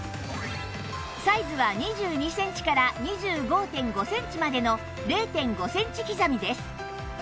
サイズは２２センチから ２５．５ センチまでの ０．５ センチ刻みです